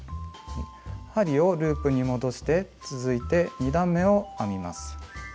針をループに戻して続いて２段めを編みます。